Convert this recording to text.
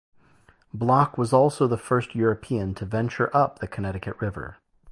Block was also the first European to venture up the Connecticut River.